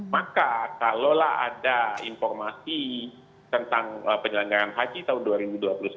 maka kalaulah ada informasi tentang penyelenggaran haji tahun dua ribu dua puluh satu